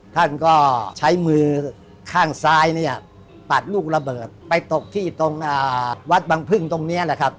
ท่านก็ใช้มือข้างซ้ายเนี่ยปัดลูกระเบิดไปตกที่ตรงวัดบังพึ่งตรงนี้แหละครับ